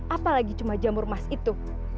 apalagi cuma jamur emas itu